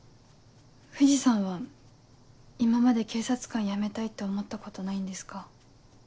藤さんは今まで警察官辞めたいって思ったことないんですか？